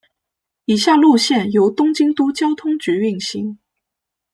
以下路线由东京都交通局运行。